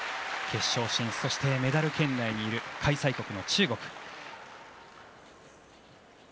決勝進出そしてメダル圏内にいる開催国の中国。